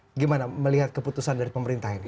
bagaimana melihat keputusan dari pemerintah ini